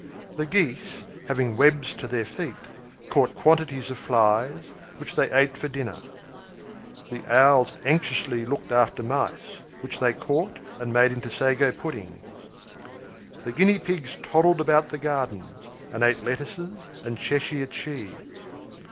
The Geese, having webs to their feet, caught quantities of flies, which they ate for dinner. The Owls anxiously looked after mice, which they caught, and made into sago puddings. The Guinea Pigs toddled about the gardens, and ate lettuces and Cheshire cheese.